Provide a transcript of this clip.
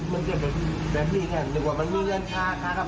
มันจะได้หมายใจนะครับ